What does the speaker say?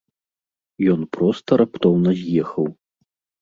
Ён проста раптоўна з'ехаў.